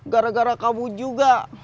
gara gara kamu juga